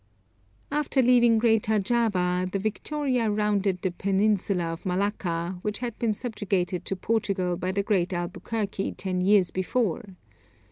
After leaving greater Java, the Victoria rounded the peninsula of Malacca, which had been subjugated to Portugal by the great Albuquerque ten years before.